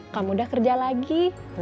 kamu udah kerja lagi